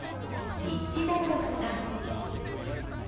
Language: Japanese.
リッチ・ダブロフさん。